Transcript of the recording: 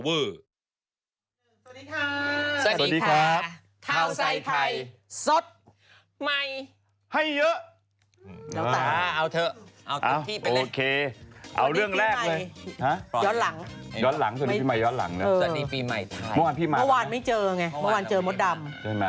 เมื่อวานไม่เจอไงเมื่อวานเจอมดดำ